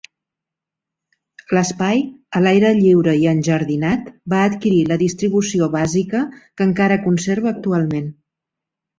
L'espai, a l'aire lliure i enjardinat, va adquirir la distribució bàsica que encara conserva actualment.